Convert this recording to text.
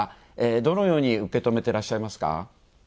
どのように受け止めていらっしゃいますか？